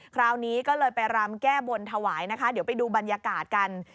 คราวนี้ก็เลยไปรำแก้บนถวายนะคะเดี๋ยวไปดูบรรยากาศกัน